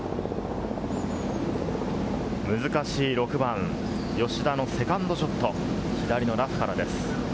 難しい６番、吉田のセカンドショット、左のラフからです。